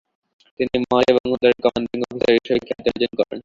তিনি "মহৎ এবং উদার" কমান্ডিং অফিসার হিসেবে খ্যাতি অর্জন করেন।